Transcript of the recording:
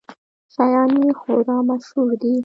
شیان یې خورا مشهور دي.